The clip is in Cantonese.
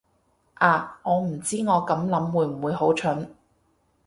啊，我唔知我咁諗會唔會好蠢